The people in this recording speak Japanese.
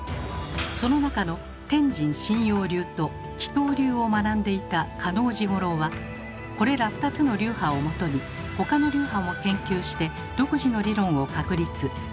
その中の「天神真楊流」と「起倒流」を学んでいた嘉納治五郎はこれら２つの流派をもとに他の流派も研究して独自の理論を確立。